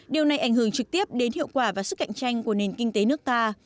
điều này ảnh hưởng trực tiếp đến hiệu quả và sức cạnh tranh của nền kinh tế nước ta